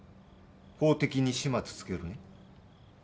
法的に始末つけるね？